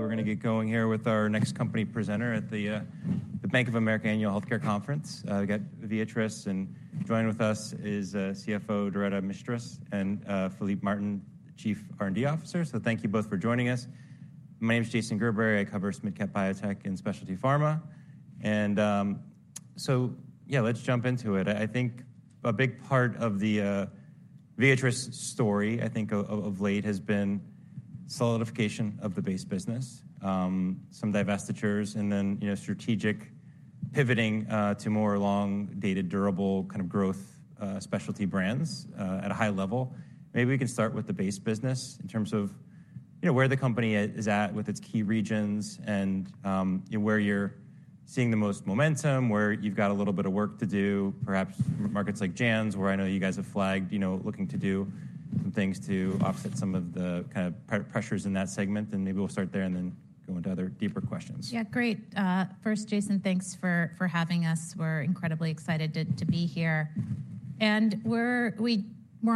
We're gonna get going here with our next company presenter at the Bank of America Annual Health Care Conference. We got Viatris, and joining with us is CFO, Doretta Mistras, and Philippe Martin, the Chief R&D Officer. So thank you both for joining us. My name is Jason Gerberry. I cover mid-cap biotech and specialty pharma. And, so yeah, let's jump into it. I think a big part of the Viatris story, I think, of late has been solidification of the base business, some divestitures, and then, you know, strategic pivoting to more long-dated, durable kind of growth, specialty brands at a high level. Maybe we can start with the base business in terms of, you know, where the company is at with its key regions and, where you're seeing the most momentum, where you've got a little bit of work to do. Perhaps markets like Japan, where I know you guys have flagged, you know, looking to do some things to offset some of the kind of pressures in that segment. Then maybe we'll start there and then go into other deeper questions. Yeah, great. First, Jason, thanks for having us. We're incredibly excited to be here. And we're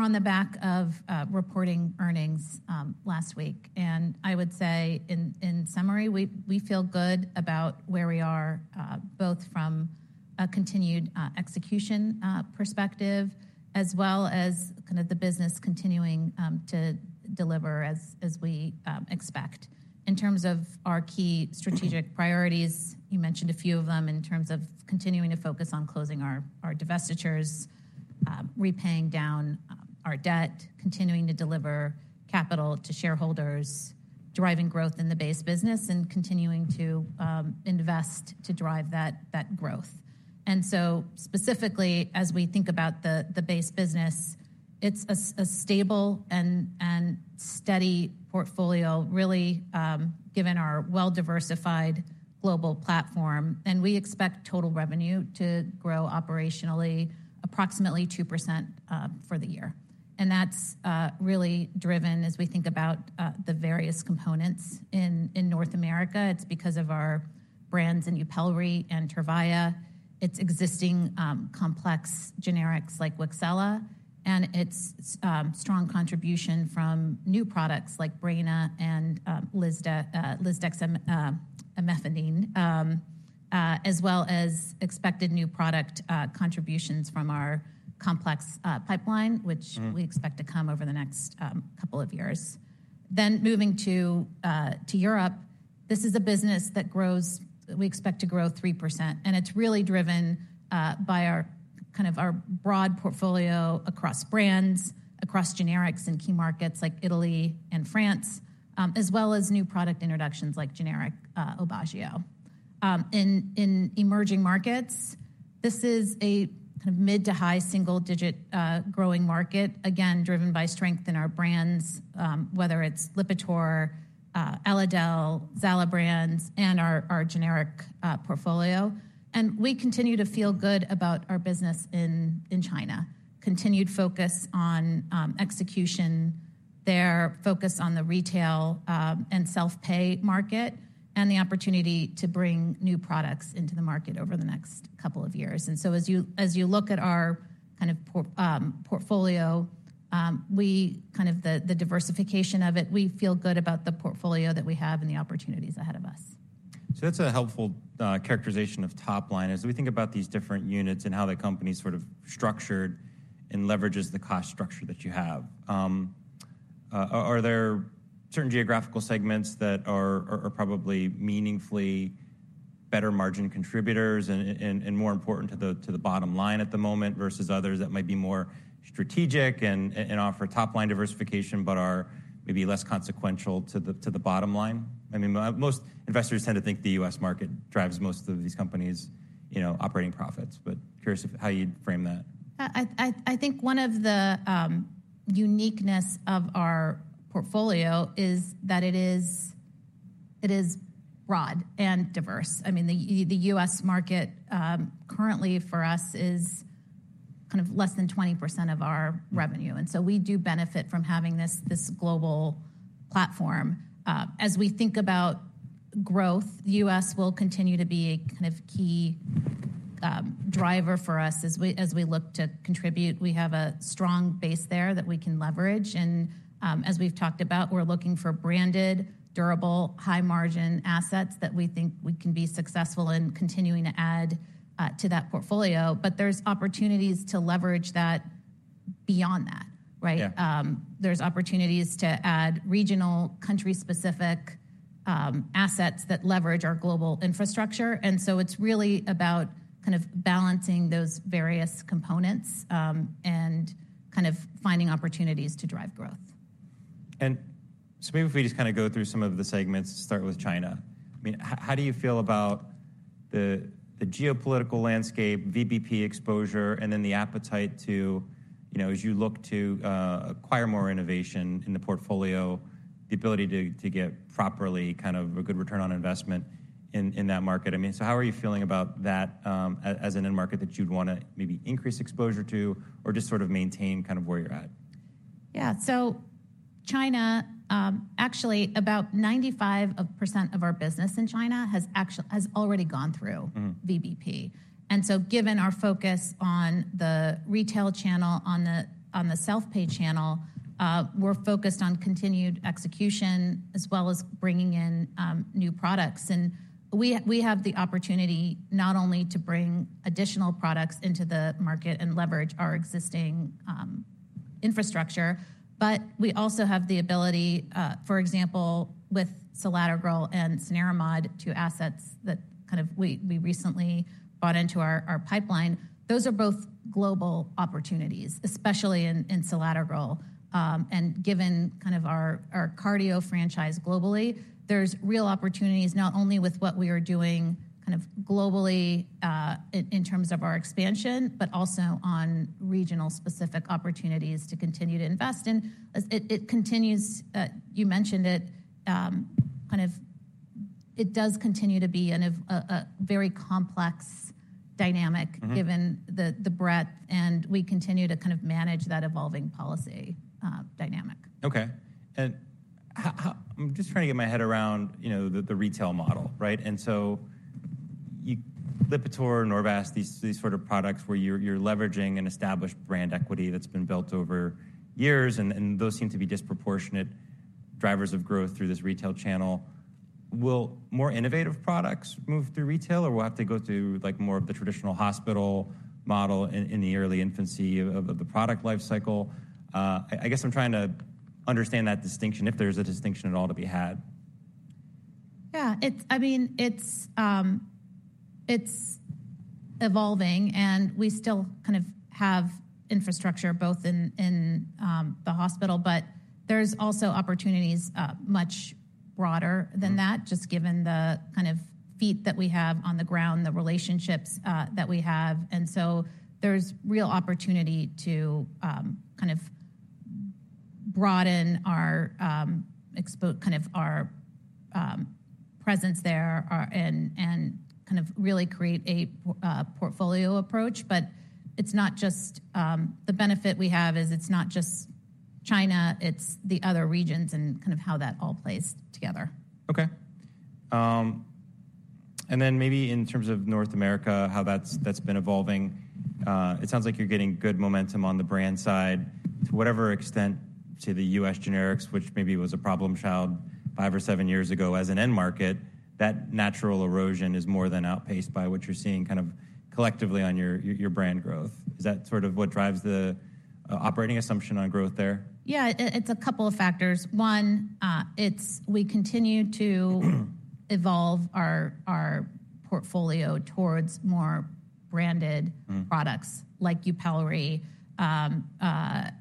on the back of reporting earnings last week. And I would say in summary, we feel good about where we are, both from a continued execution perspective, as well as kind of the business continuing to deliver as we expect. In terms of our key strategic priorities, you mentioned a few of them in terms of continuing to focus on closing our divestitures, repaying down our debt, continuing to deliver capital to shareholders, driving growth in the base business, and continuing to invest to drive that growth. So, specifically, as we think about the base business, it's a stable and steady portfolio, really, given our well-diversified global platform, and we expect total revenue to grow operationally approximately 2% for the year. That's really driven as we think about the various components in North America. It's because of our brands in YUPELRI and Tyrvaya, its existing complex generics like WIXELA, and its strong contribution from new products like BREYNA and lisdexamfetamine, as well as expected new product contributions from our complex pipeline-... which we expect to come over the next couple of years. Then moving to Europe, this is a business that grows—we expect to grow 3%, and it's really driven by our kind of broad portfolio across brands, across generics in key markets like Italy and France, as well as new product introductions like generic Aubagio. In emerging markets, this is a mid to high single-digit growing market, again, driven by strength in our brands, whether it's Lipitor, Elidel, XALATAN brands, and our generic portfolio. And we continue to feel good about our business in China. Continued focus on execution there, focus on the retail and self-pay market, and the opportunity to bring new products into the market over the next couple of years. So as you look at our kind of portfolio, the diversification of it, we feel good about the portfolio that we have and the opportunities ahead of us. So that's a helpful characterization of top line. As we think about these different units and how the company is sort of structured and leverages the cost structure that you have, are there certain geographical segments that are probably meaningfully better margin contributors and more important to the bottom line at the moment, versus others that might be more strategic and offer top-line diversification, but are maybe less consequential to the bottom line? I mean, most investors tend to think the U.S. market drives most of these companies', you know, operating profits, but curious if how you'd frame that. I think one of the uniqueness of our portfolio is that it is broad and diverse. I mean, the U.S. market currently for us is kind of less than 20% of our revenue. And so we do benefit from having this, this global platform. As we think about growth, U.S. will continue to be a kind of key driver for us as we look to contribute. We have a strong base there that we can leverage, and as we've talked about, we're looking for branded, durable, high-margin assets that we think we can be successful in continuing to add to that portfolio. But there's opportunities to leverage that beyond that, right? Yeah. There's opportunities to add regional, country-specific, assets that leverage our global infrastructure. And so it's really about kind of balancing those various components, and kind of finding opportunities to drive growth. And so maybe if we just kinda go through some of the segments, start with China. I mean, how do you feel about the geopolitical landscape, VBP exposure, and then the appetite to, you know, as you look to acquire more innovation in the portfolio, the ability to get properly kind of a good return on investment in that market? I mean, so how are you feeling about that, as an end market that you'd wanna maybe increase exposure to or just sort of maintain kind of where you're at? Yeah. So China, actually, about 95% of our business in China has already gone through... VBP. And so given our focus on the retail channel, on the self-pay channel, we're focused on continued execution as well as bringing in new products. And we have the opportunity not only to bring additional products into the market and leverage our existing infrastructure, but we also have the ability, for example, with selatogrel and cenerimod, two assets that we recently bought into our pipeline. Those are both global opportunities, especially in selatogrel. And given our cardio franchise globally, there's real opportunities, not only with what we are doing globally in terms of our expansion, but also on region-specific opportunities to continue to invest in. As it continues... You mentioned it, kind of it does continue to be a very complex dynamic-given the breadth, and we continue to kind of manage that evolving policy dynamic. Okay. And how—I'm just trying to get my head around, you know, the retail model, right? And so you—Lipitor, NORVASC, these sort of products where you're leveraging an established brand equity that's been built over years, and those seem to be disproportionate drivers of growth through this retail channel. Will more innovative products move through retail, or will have to go through, like, more of the traditional hospital model in the early infancy of the product life cycle? I guess I'm trying to understand that distinction, if there's a distinction at all to be had. Yeah, it's, I mean, it's evolving, and we still kind of have infrastructure both in the hospital, but there's also opportunities much broader than that. Just given the kind of feet that we have on the ground, the relationships that we have. And so there's real opportunity to kind of broaden our kind of our presence there, our and kind of really create a portfolio approach. But it's not just. The benefit we have is it's not just China, it's the other regions and kind of how that all plays together. Okay. And then maybe in terms of North America, how that's been evolving, it sounds like you're getting good momentum on the brand side. To whatever extent to the U.S. generics, which maybe was a problem child five or seven years ago as an end market, that natural erosion is more than outpaced by what you're seeing kind of collectively on your brand growth. Is that sort of what drives the operating assumption on growth there? Yeah, it's a couple of factors. One, it's we continue to evolve our portfolio towards more branded products like YUPELRI and our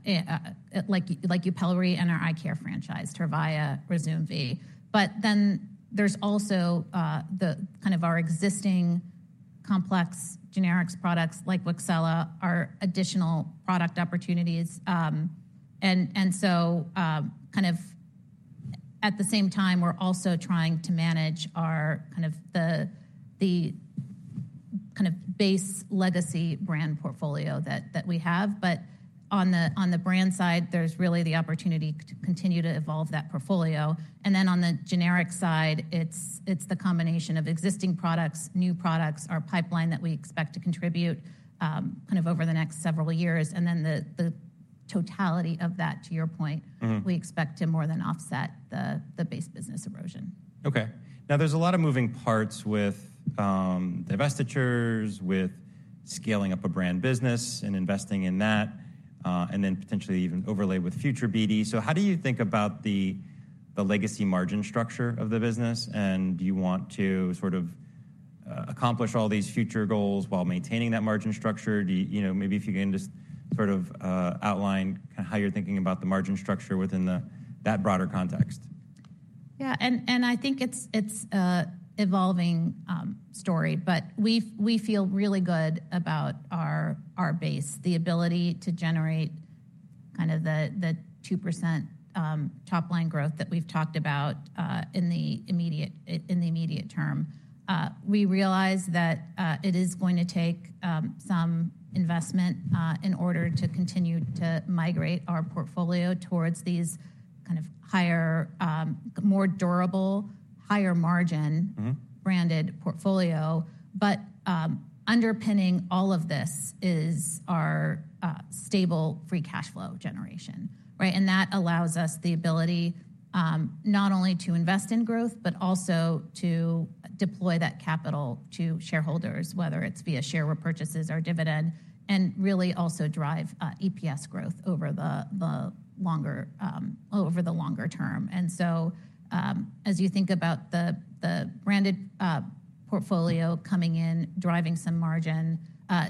eye care franchise, Tyrvaya, Ryzumvi. But then there's also the kind of our existing complex generics products like WIXELA, our additional product opportunities. And so, kind of at the same time, we're also trying to manage our kind of base legacy brand portfolio that we have. But on the brand side, there's really the opportunity to continue to evolve that portfolio. And then on the generic side, it's the combination of existing products, new products, our pipeline that we expect to contribute, kind of over the next several years. And then the totality of that, to your point, we expect to more than offset the base business erosion. Okay. Now, there's a lot of moving parts with divestitures, with scaling up a brand business and investing in that, and then potentially even overlay with future BD. So how do you think about the legacy margin structure of the business, and do you want to sort of accomplish all these future goals while maintaining that margin structure? You know, maybe if you can just sort of outline kind of how you're thinking about the margin structure within that broader context. Yeah, and I think it's an evolving story, but we feel really good about our base, the ability to generate kind of the 2% top line growth that we've talked about in the immediate term. We realize that it is going to take some investment in order to continue to migrate our portfolio towards these kind of higher more durable, higher margin-... branded portfolio. But, underpinning all of this is our stable free cash flow generation, right? And that allows us the ability, not only to invest in growth, but also to deploy that capital to shareholders, whether it's via share repurchases or dividend, and really also drive EPS growth over the longer term. And so, as you think about the branded portfolio coming in, driving some margin,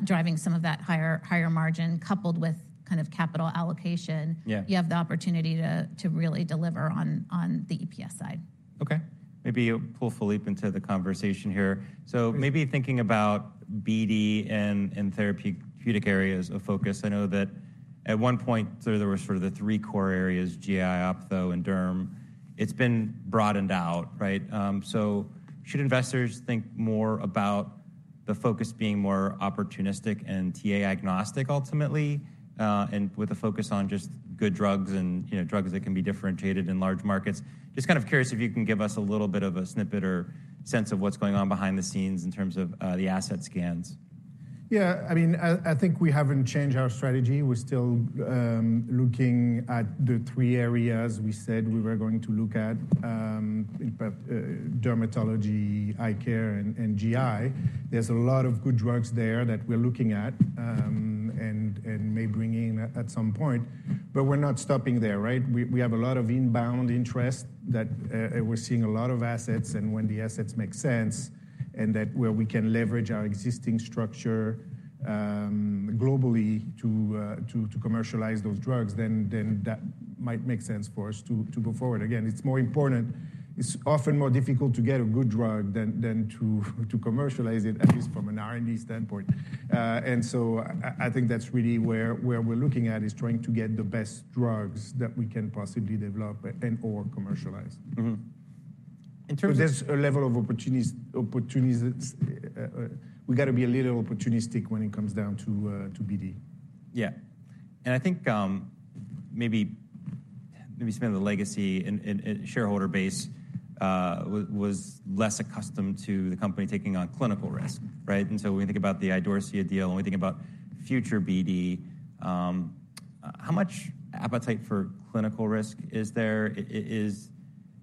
driving some of that higher, higher margin, coupled with kind of capital allocation- Yeah... you have the opportunity to really deliver on the EPS side. Okay. Maybe I'll pull Philippe into the conversation here. So maybe thinking about BD and therapeutic areas of focus, I know that at one point, there were sort of the three core areas: GI, ophtho, and derm. It's been broadened out, right? So should investors think more about the focus being more opportunistic and TA agnostic, ultimately, and with a focus on just good drugs and, you know, drugs that can be differentiated in large markets? Just kind of curious if you can give us a little bit of a snippet or sense of what's going on behind the scenes in terms of the asset scans. Yeah, I mean, I think we haven't changed our strategy. We're still looking at the three areas we said we were going to look at, but dermatology, eye care, and GI. There's a lot of good drugs there that we're looking at, and may bring in at some point, but we're not stopping there, right? We have a lot of inbound interest that we're seeing a lot of assets, and when the assets make sense, and that where we can leverage our existing structure globally to commercialize those drugs, then that might make sense for us to go forward. Again, it's more important. It's often more difficult to get a good drug than to commercialize it, at least from an R&D standpoint. And so I think that's really where we're looking at, is trying to get the best drugs that we can possibly develop and or commercialize. Mm-hmm. In terms of- There's a level of opportunist, opportunism. We got to be a little opportunistic when it comes down to, to BD. Yeah. And I think, maybe some of the legacy and shareholder base was less accustomed to the company taking on clinical risk, right? And so when we think about the Idorsia deal, when we think about future BD, how much appetite for clinical risk is there? Is,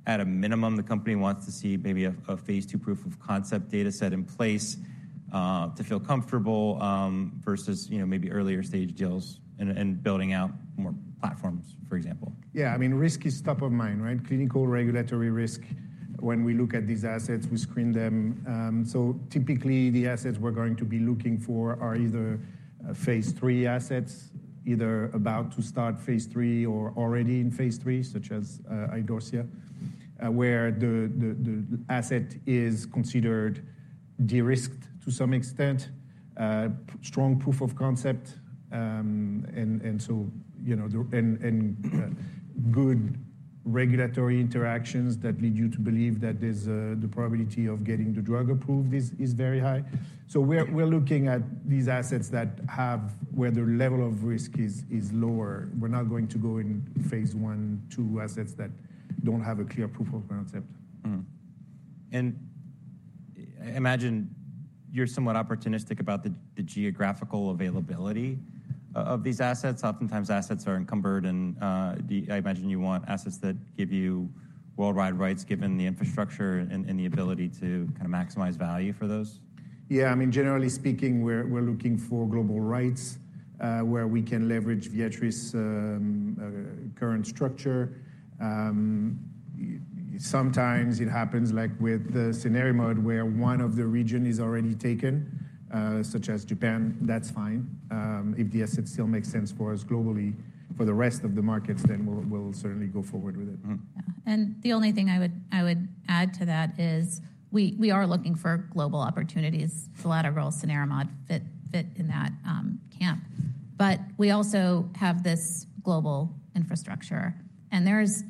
at a minimum, the company wants to see maybe a phase II proof of concept data set in place to feel comfortable versus, you know, maybe earlier stage deals and building out more platforms, for example. Yeah. I mean, risk is top of mind, right? Clinical regulatory risk. When we look at these assets, we screen them. So typically, the assets we're going to be looking for are either phase III assets, either about to start phase III or already in phase III, such as Idorsia, where the asset is considered de-risked to some extent, strong proof of concept, and so, you know, and good regulatory interactions that lead you to believe that there's the probability of getting the drug approved is very high. So we're looking at these assets that have where the level of risk is lower. We're not going to go in phase I, II assets that don't have a clear proof of concept. Mm-hmm. And I imagine you're somewhat opportunistic about the geographical availability of these assets. Oftentimes, assets are encumbered and I imagine you want assets that give you worldwide rights, given the infrastructure and the ability to kind of maximize value for those. Yeah, I mean, generally speaking, we're looking for global rights where we can leverage Viatris's current structure. Sometimes it happens, like with cenerimod, where one of the region is already taken, such as Japan, that's fine. If the asset still makes sense for us globally, for the rest of the markets, then we'll certainly go forward with it. Yeah. And the only thing I would, I would add to that is we, we are looking for global opportunities. A fill-the-hole scenario that fits, fits in that camp. But we also have this global infrastructure, and there's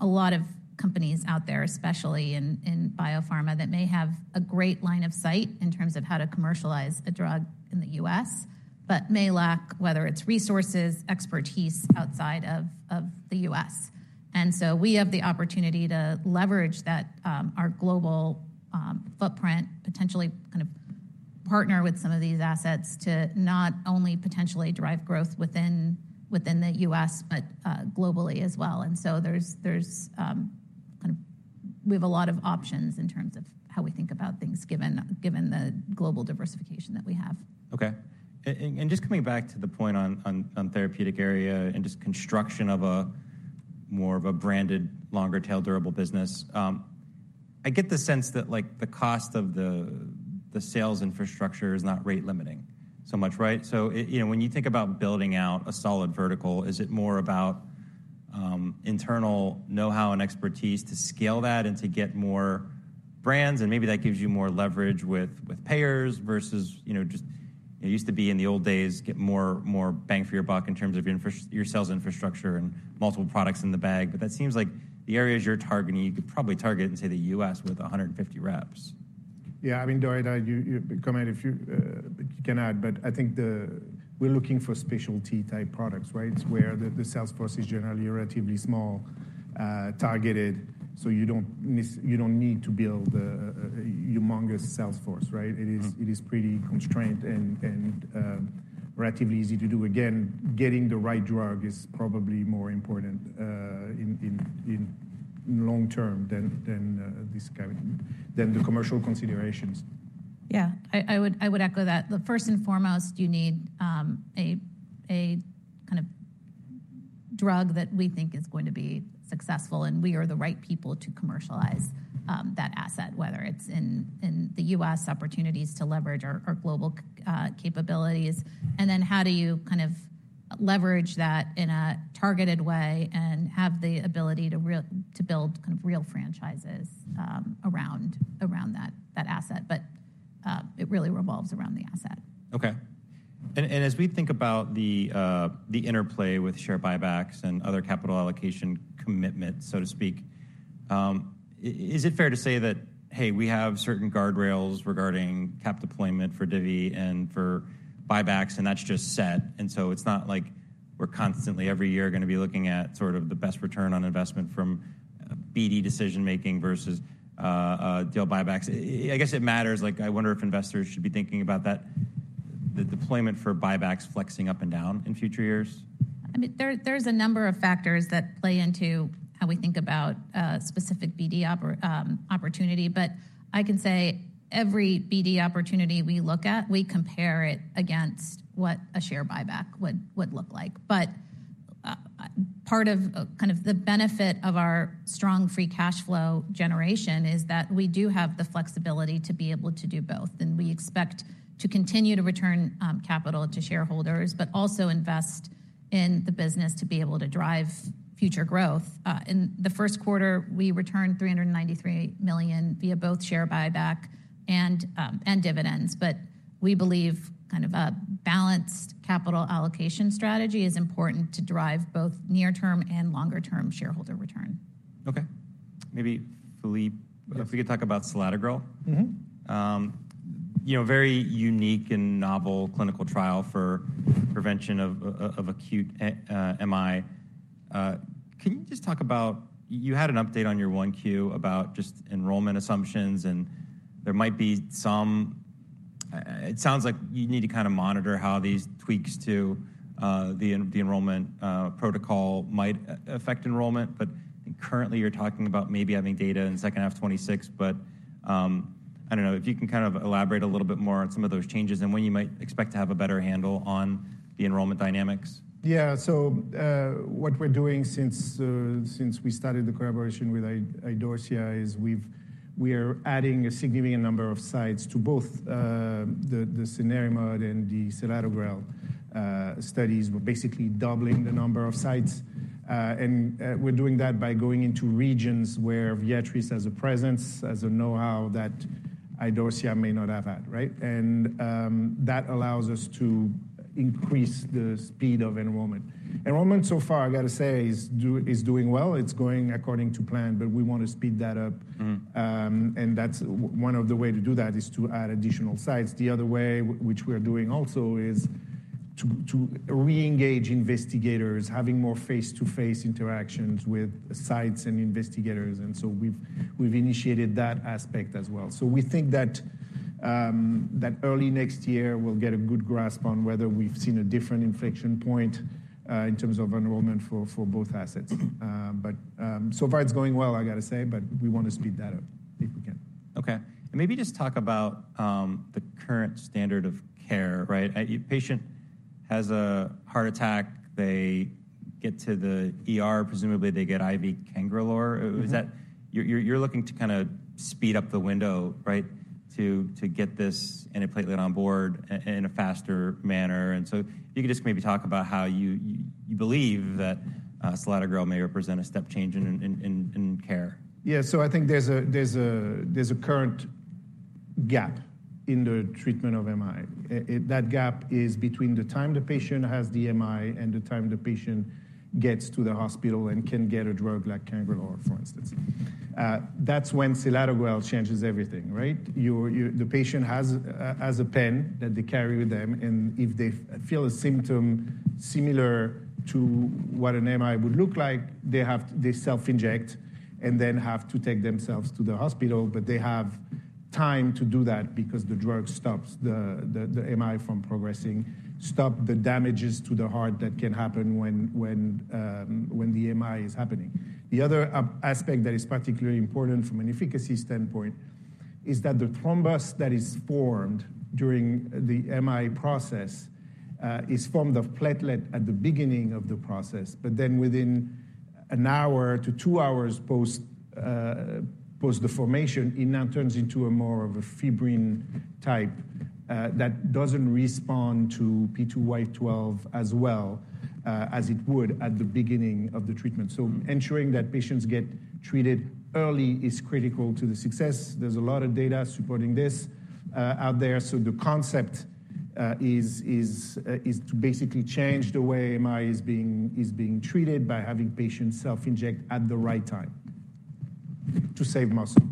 a lot of companies out there, especially in biopharma, that may have a great line of sight in terms of how to commercialize a drug in the U.S., but may lack, whether it's resources, expertise outside of the U.S. And so we have the opportunity to leverage that, our global footprint, potentially kind of partner with some of these assets to not only potentially derive growth within the U.S., but globally as well. And so there's kind of we have a lot of options in terms of how we think about things, given the global diversification that we have. Okay. And just coming back to the point on therapeutic area and just construction of a more of a branded, longer tail durable business, I get the sense that, like, the cost of the sales infrastructure is not rate limiting so much, right? So, you know, when you think about building out a solid vertical, is it more about internal know-how and expertise to scale that and to get more brands, and maybe that gives you more leverage with payers versus, you know, just... It used to be in the old days, get more bang for your buck in terms of infrastructure and multiple products in the bag. But that seems like the areas you're targeting, you could probably target, and say, the U.S. with 150 reps. Yeah, I mean, Doretta, you comment if you can add, but I think we're looking for specialty type products, right? Where the sales force is generally relatively small, targeted, so you don't need to build a humongous sales force, right? It is pretty constrained and relatively easy to do. Again, getting the right drug is probably more important in long-term than the commercial considerations. Yeah, I would echo that. The first and foremost, you need a kind of drug that we think is going to be successful, and we are the right people to commercialize that asset, whether it's in the U.S., opportunities to leverage our global capabilities. And then how do you kind of leverage that in a targeted way and have the ability to build kind of real franchises around that asset? But it really revolves around the asset. Okay. And as we think about the interplay with share buybacks and other capital allocation commitments, so to speak, is it fair to say that, "Hey, we have certain guardrails regarding cap deployment for divvy and for buybacks, and that's just set. And so it's not like we're constantly, every year, gonna be looking at sort of the best return on investment from BD decision-making versus deal buybacks. I guess it matters, like, I wonder if investors should be thinking about that, the deployment for buybacks flexing up and down in future years? I mean, there, there's a number of factors that play into how we think about specific BD opportunity. But I can say every BD opportunity we look at, we compare it against what a share buyback would look like. But part of kind of the benefit of our strong free cash flow generation is that we do have the flexibility to be able to do both, and we expect to continue to return capital to shareholders, but also invest in the business to be able to drive future growth. In the first quarter, we returned $393 million via both share buyback and dividends. But we believe kind of a balanced capital allocation strategy is important to drive both near-term and longer-term shareholder return. Okay. Maybe Philippe, if we could talk about selatogrel? You know, very unique and novel clinical trial for prevention of acute MI. Can you just talk about... You had an update on your 1Q about just enrollment assumptions, and there might be some, it sounds like you need to kind of monitor how these tweaks to the enrollment protocol might affect enrollment. But currently, you're talking about maybe having data in the second half of 2026. But, I don't know if you can kind of elaborate a little bit more on some of those changes and when you might expect to have a better handle on the enrollment dynamics. Yeah. So, what we're doing since since we started the collaboration with Idorsia, is we are adding a significant number of sites to both the cenerimod and the selatogrel studies. We're basically doubling the number of sites, and we're doing that by going into regions where Viatris has a presence, has a know-how that Idorsia may not have had, right? And that allows us to increase the speed of enrollment. Enrollment so far, I got to say, is doing well. It's going according to plan, but we want to speed that up. And that's one of the way to do that is to add additional sites. The other way, which we are doing also, is to reengage investigators, having more face-to-face interactions with sites and investigators, and so we've initiated that aspect as well. So we think that early next year, we'll get a good grasp on whether we've seen a different inflection point in terms of enrollment for both assets. But so far it's going well, I got to say, but we want to speed that up if we can. Okay. And maybe just talk about the current standard of care, right? A patient has a heart attack, they get to the ER, presumably, they get IV cangrelor. Is that... You're looking to kinda speed up the window, right, to get this antiplatelet on board in a faster manner. And so if you could just maybe talk about how you believe that selatogrel may represent a step change in care. Yeah. So I think there's a current gap in the treatment of MI. That gap is between the time the patient has the MI and the time the patient gets to the hospital and can get a drug like cangrelor, for instance. That's when selatogrel changes everything, right? The patient has a pen that they carry with them, and if they feel a symptom similar to what an MI would look like, they self-inject and then have to take themselves to the hospital. But they have time to do that because the drug stops the MI from progressing, stop the damages to the heart that can happen when the MI is happening. The other aspect that is particularly important from an efficacy standpoint is that the thrombus that is formed during the MI process is formed of platelet at the beginning of the process, but then within an hour to two hours post the formation, it now turns into more of a fibrin type that doesn't respond to P2Y12 as well as it would at the beginning of the treatment. So ensuring that patients get treated early is critical to the success. There's a lot of data supporting this out there. So the concept is to basically change the way MI is being treated by having patients self-inject at the right time to save muscle,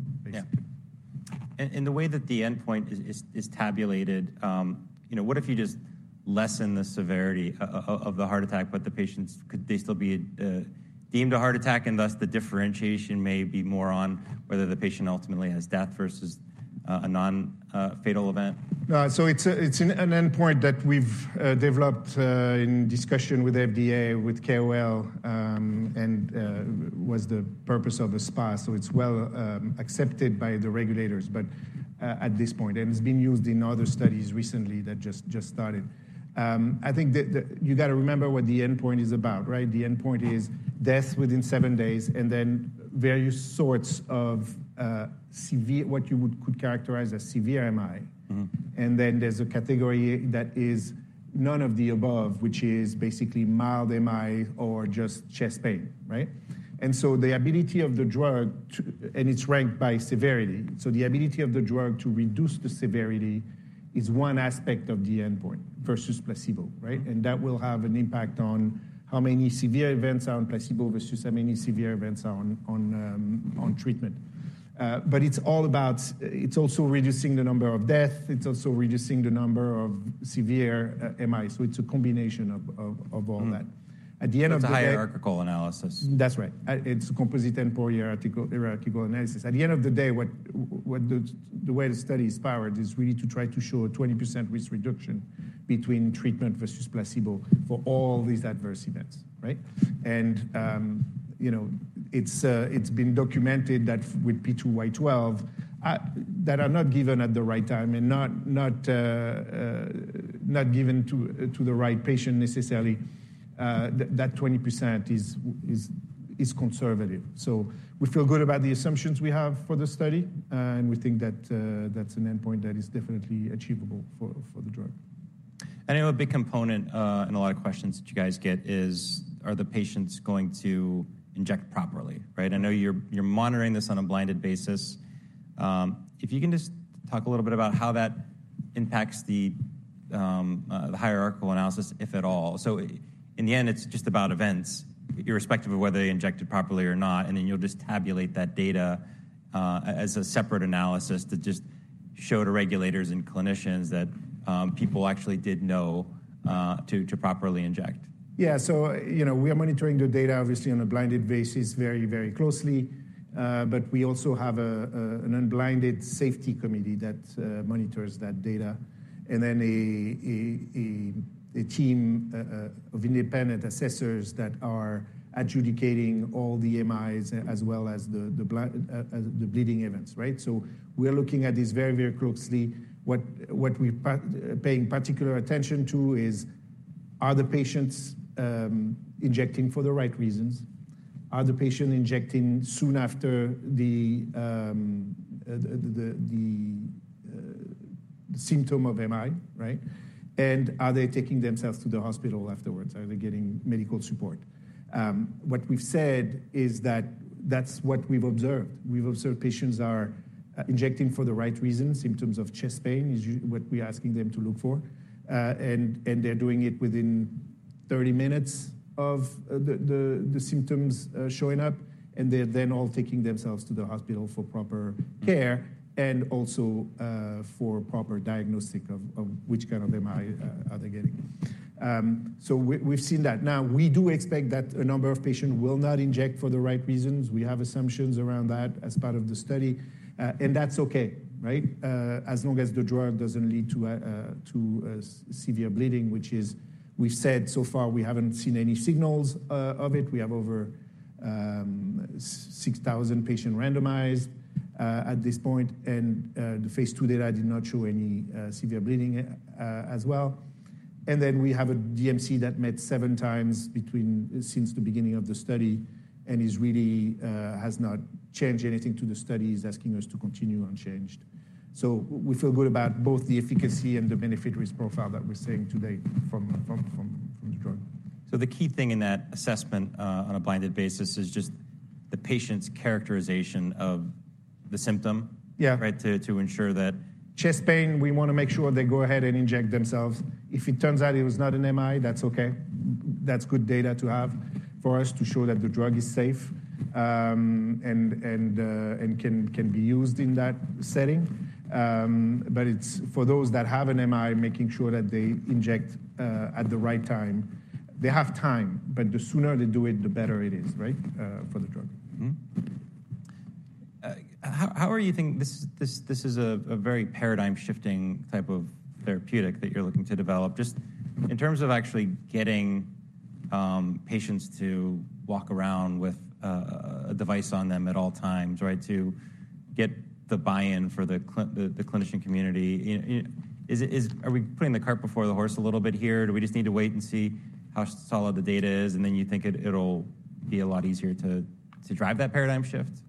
basically. Yeah. And the way that the endpoint is tabulated, you know, what if you just lessen the severity of the heart attack, but the patients could they still be deemed a heart attack, and thus the differentiation may be more on whether the patient ultimately has death versus a nonfatal event? So it's an endpoint that we've developed in discussion with FDA, with KOL, and was the purpose of the SPA, so it's well accepted by the regulators, but at this point. It's been used in other studies recently that just started. I think that you got to remember what the endpoint is about, right? The endpoint is death within seven days, and then various sorts of severe what you would could characterize as severe MI. And then there's a category that is none of the above, which is basically mild MI or just chest pain, right? And so the ability of the drug to... And it's ranked by severity. So the ability of the drug to reduce the severity is one aspect of the endpoint versus placebo, right? And that will have an impact on how many severe events are on placebo versus how many severe events are on treatment... but it's all about, it's also reducing the number of death. It's also reducing the number of severe MIs. So it's a combination of all that. At the end of the day- It's a hierarchical analysis. That's right. It's a composite endpoint, hierarchical, hierarchical analysis. At the end of the day, what the way the study is powered is really to try to show a 20% risk reduction between treatment versus placebo for all these adverse events, right? And, you know, it's been documented that with P2Y12 that are not given at the right time, and not given to the right patient necessarily, that 20% is conservative. So we feel good about the assumptions we have for the study, and we think that that's an endpoint that is definitely achievable for the drug. I know a big component and a lot of questions that you guys get is: Are the patients going to inject properly, right? I know you're monitoring this on a blinded basis. If you can just talk a little bit about how that impacts the hierarchical analysis, if at all. So in the end, it's just about events, irrespective of whether they injected properly or not, and then you'll just tabulate that data as a separate analysis to just show to regulators and clinicians that people actually did know to properly inject. Yeah. So, you know, we are monitoring the data, obviously, on a blinded basis, very, very closely. But we also have an unblinded safety committee that monitors that data, and then a team of independent assessors that are adjudicating all the MIs, as well as the bleeding events, right? So we are looking at this very, very closely. What we are paying particular attention to is are the patients injecting for the right reasons? Are the patients injecting soon after the symptom of MI, right? And are they taking themselves to the hospital afterwards? Are they getting medical support? What we've said is that that's what we've observed. We've observed patients are injecting for the right reasons. Symptoms of chest pain is what we're asking them to look for. And they're doing it within 30 minutes of the symptoms showing up, and they're then all taking themselves to the hospital for proper care and also for proper diagnostic of which kind of MI are they getting. So we've seen that. Now, we do expect that a number of patients will not inject for the right reasons. We have assumptions around that as part of the study, and that's okay, right? As long as the drug doesn't lead to severe bleeding, which is... We've said, so far, we haven't seen any signals of it. We have over 6,000 patients randomized at this point. The phase II data did not show any severe bleeding as well. Then we have a DMC that met seven times since the beginning of the study and really has not changed anything to the study. It is asking us to continue unchanged. So we feel good about both the efficacy and the benefit-risk profile that we're seeing today from the drug. The key thing in that assessment, on a blinded basis, is just the patient's characterization of the symptom- Yeah. right? To ensure that- Chest pain, we wanna make sure they go ahead and inject themselves. If it turns out it was not an MI, that's okay. That's good data to have for us to show that the drug is safe, and can be used in that setting. But it's for those that have an MI, making sure that they inject at the right time. They have time, but the sooner they do it, the better it is, right, for the drug. Mm-hmm. How are you thinking—This is a very paradigm-shifting type of therapeutic that you're looking to develop. Just in terms of actually getting patients to walk around with a device on them at all times, right, to get the buy-in for the clinician community, are we putting the cart before the horse a little bit here? Do we just need to wait and see how solid the data is, and then you think it'll be a lot easier to drive that paradigm shift?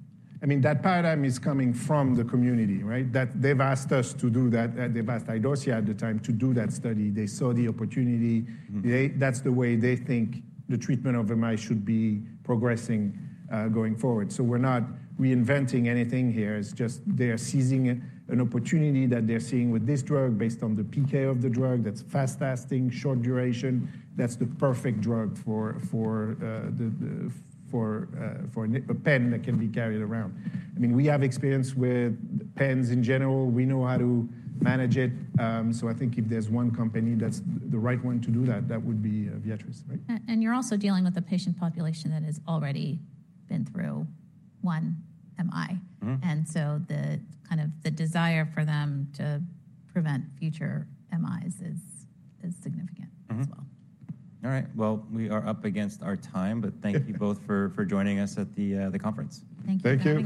I mean, that paradigm is coming from the community, right? That they've asked us to do that, and they've asked Idorsia at the time to do that study. They saw the opportunity. That's the way they think the treatment of MI should be progressing, going forward. So we're not reinventing anything here. It's just they are seizing an opportunity that they're seeing with this drug, based on the PK of the drug, that's fast-acting, short duration. That's the perfect drug for an injector pen that can be carried around. I mean, we have experience with pens in general. We know how to manage it. So I think if there's one company that's the right one to do that, that would be Viatris, right? You're also dealing with a patient population that has already been through one MI. And so the kind of desire for them to prevent future MIs is significant as well. All right. Well, we are up against our time, but thank you both for joining us at the conference. Thank you very much. Thank you.